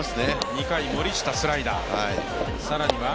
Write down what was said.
２回、森下スライダー。